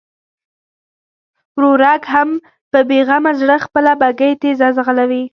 ورورک هم په بېغمه زړه خپله بګۍ تېزه ځغلوي.